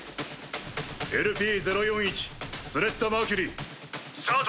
ＬＰ０４１スレッタ・マーキュリースタート。